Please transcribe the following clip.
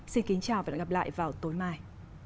xin kính chào và hẹn gặp lại vào tối mai